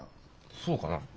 そうかな？